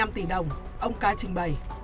ba mươi năm tỷ đồng ông ca trình bày